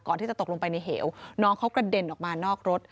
ตกลงไปในเหวน้องเขากระเด็นออกมานอกรถ